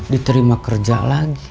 diterima kerja lagi